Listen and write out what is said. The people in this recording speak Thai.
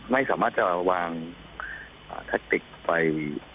ไม่สามารถจะวางวางไป